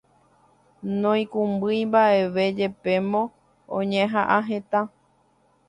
Noikũmbýi mbaʼeve jepémo oñehaʼã heta.